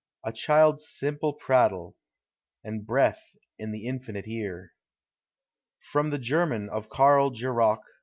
A child's simple prattle, A breath in the Infinite ear. From the German of KARL GKROCK.